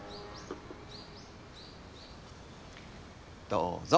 どうぞ。